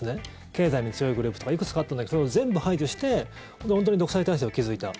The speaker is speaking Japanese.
経済に強いグループとかいくつかあったんだけどそれを全部排除して本当に独裁体制を築いた。